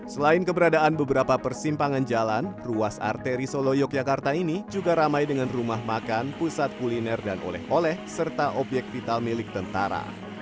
selain keberadaan beberapa persimpangan jalan ruas arteri solo yogyakarta ini juga ramai dengan rumah makan pusat kuliner dan oleh oleh serta obyek vital milik tentara